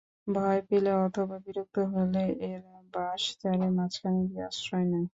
ভয় পেলে অথবা বিরক্ত হলে এরা বাঁশ-ঝাড়ের মাঝখানে গিয়ে আশ্রয় নেয়।